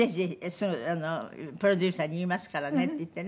「すぐプロデューサーに言いますからね」って言ってね。